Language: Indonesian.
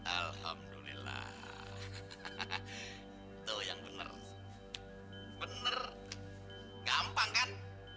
alhamdulillah tuh yang bener bener gampang kan